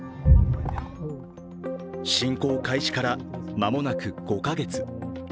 侵攻開始から間もなく５カ月。